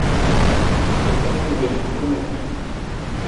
I tom wiim kunung.